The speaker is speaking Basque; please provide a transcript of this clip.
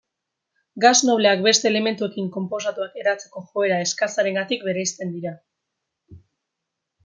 Gas nobleak beste elementuekin konposatuak eratzeko joera eskasarengatik bereizten dira.